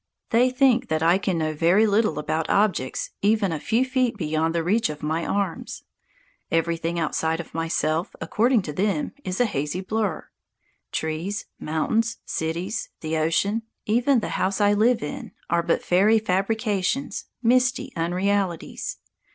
They think that I can know very little about objects even a few feet beyond the reach of my arms. Everything outside of myself, according to them, is a hazy blur. Trees, mountains, cities, the ocean, even the house I live in are but fairy fabrications, misty unrealities.